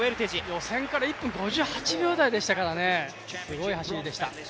予選から１分５８秒台ですからすごい走りでした。